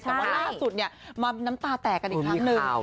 แต่ว่าล่าสุดมาน้ำตาแตกกันอีกครั้งหนึ่ง